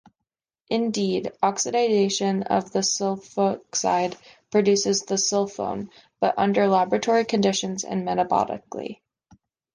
Indeed, oxidation of the sulfoxide produces the sulfone, both under laboratory conditions and metabolically.